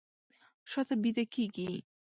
شاته بیده کیږي